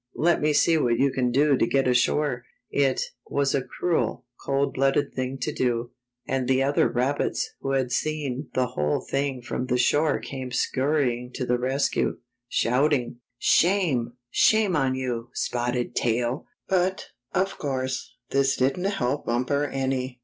Let me see what you can do to get ashore." It was a cruel, cold blooded thing to do, and the other rabbits who had seen the whole thing from the shore came scurrying to the rescue, shouting; ''Shame! Shame on you. Spotted Tail!" But, of course, this didn't help Bumper any.